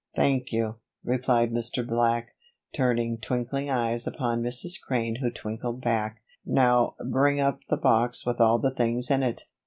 "Thank you," replied Mr. Black, turning twinkling eyes upon Mrs. Crane, who twinkled back. "Now bring up the box with all the things in it."